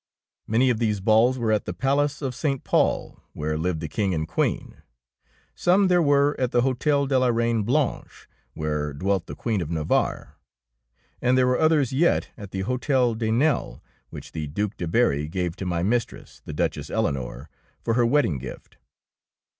Many of these balls were at the Palace of St. Pol, where lived the King and Queen ; some there were at the Hotel de la Eeine Blanche, where dwelt the Queen of Navarre, and there were others yet at the Hotel de Nesle which the Due de Berry gave to my mistress, the Duch ess Eleonore, for her wedding gift.